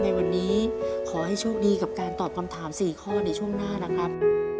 ในวันนี้ขอให้โชคดีกับการตอบคำถาม๔ข้อในช่วงหน้านะครับ